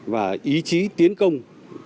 và ý chí tiến công